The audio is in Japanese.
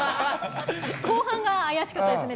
後半が怪しかったですね。